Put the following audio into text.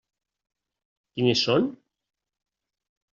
Quines són?